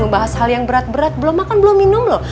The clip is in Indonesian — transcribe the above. membahas hal yang berat berat belum makan belum minum loh